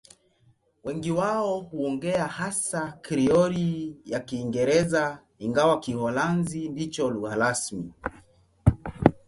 Wengi wao huongea hasa Krioli ya Kiingereza, ingawa Kiholanzi ndicho lugha rasmi.